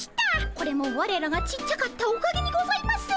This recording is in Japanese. これもわれらがちっちゃかったおかげにございますねぇ。